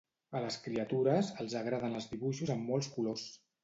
A les criatures, els agraden els dibuixos amb molts colors.